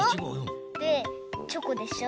でチョコでしょ。